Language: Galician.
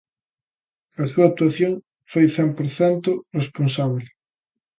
A súa actuación foi cen por cento responsable.